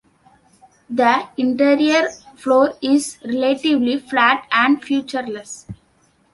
The interior floor is relatively flat and featureless.